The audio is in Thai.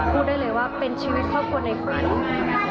พูดได้เลยว่าเป็นชีวิตครอบครัวในความรู้